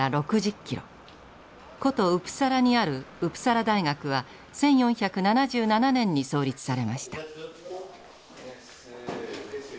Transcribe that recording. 古都ウプサラにあるウプサラ大学は１４７７年に創立されました。